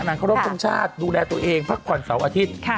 เคารพทรงชาติดูแลตัวเองพักผ่อนเสาร์อาทิตย์